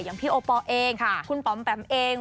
อย่างพี่โอปอลเองคุณป๋อมแปมเอง